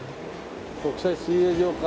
国際水泳場か。